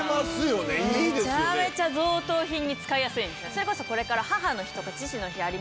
それこそこれから。